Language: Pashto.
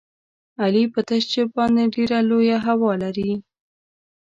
علي په تش جېب باندې ډېره لویه هوا لري.